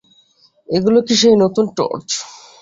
এগুলা কি সেই নতুন টর্চ?